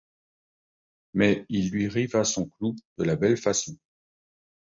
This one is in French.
Mais il lui riva son clou de la belle façon.